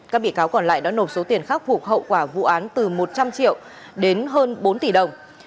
các bị cáo còn lại đã nộp số tiền khắc phục hậu quả vụ án từ một trăm linh triệu đến hơn bốn tỷ đồng